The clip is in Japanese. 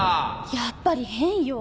やっぱり変よ。